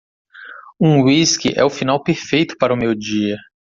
Um uísque é o final perfeito para o meu dia.